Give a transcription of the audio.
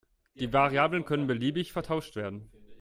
Die Variablen können beliebig vertauscht werden.